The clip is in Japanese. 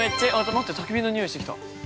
待って、たき火のにおいしてきた。